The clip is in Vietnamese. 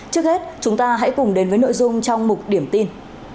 trước hết chúng ta hãy cùng đến với nội dung trong một điểm tin